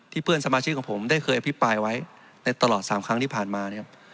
เพื่อนสมาชิกของผมได้เคยอภิปรายไว้ในตลอด๓ครั้งที่ผ่านมาเนี่ย